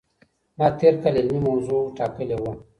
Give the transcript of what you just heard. ما تېر کال علمي موضوع ټاکلې وه.